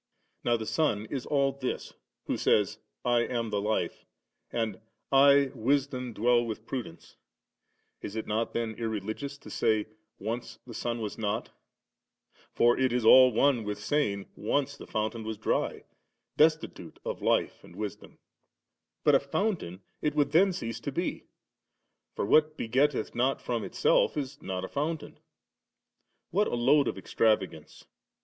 Now the Son is all this, who says, * I am the Life «<>,' and, ' I Wisdom dwell with prudence ".* Is it not then irreligious to say, * Once the Son was not ?' for it is all one with saying, * Once the Fountain was dry, des titute of Life and Wisdom.' But a fountain it would then cease to be; for what begetteth not from itself, is not a fountain ^ What a load of extravagance